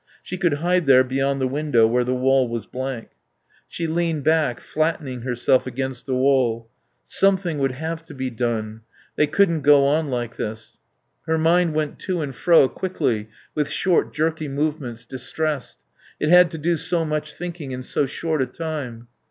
She could hide there beyond the window where the wall was blank. She leaned back, flattening herself against the wall.... Something would have to be done. They couldn't go on like this.... Her mind went to and fro, quickly, with short jerky movements, distressed; it had to do so much thinking in so short a time.